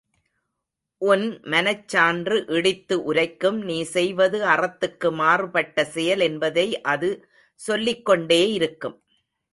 உன் மனச்சான்று இடித்து உரைக்கும் நீ செய்வது அறத்துக்கு மாறுபட்ட செயல் என்பதை அது சொல்லிக் கொண்டே இருக்கும்.